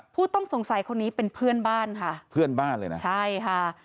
ผู้ต้องสงสัยคนนี้เป็นเพื่อนบ้านค่ะเพื่อนบ้านเลยนะใช่ค่ะ